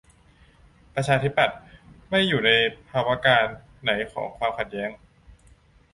ประชาธิปัตย์ ไม่ อยู่ในภาวการณ์ไหนของความขัดแย้ง ?